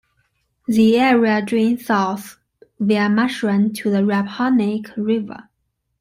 The area drains south via Marsh Run to the Rappahannock River.